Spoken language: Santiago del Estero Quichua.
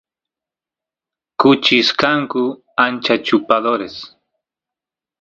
kuchis kanku ancha chupadores